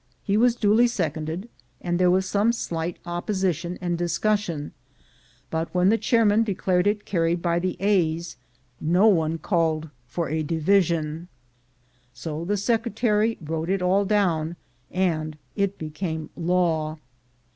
He was duly seconded, and there was some slight opposition and discussion ; but when the chairman declared it carried by the ayes, no one called for a division, so the secretary wrote it all down, and it became law.